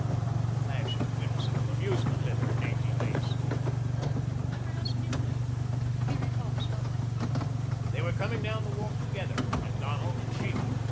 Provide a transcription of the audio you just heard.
A flash of whimsical amusement lit her dainty face. "You'd better ask him that. Here he comes now." They were coming down the walk together, Macdonald and Sheba.